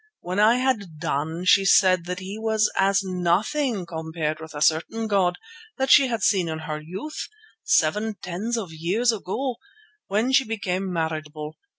When I had done she said that he was as nothing compared with a certain god that she had seen in her youth, seven tens of years ago, when she became marriageable.